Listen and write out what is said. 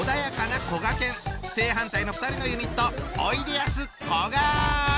正反対の２人のユニット！